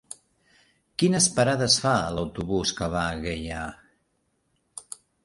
Quines parades fa l'autobús que va a Gaià?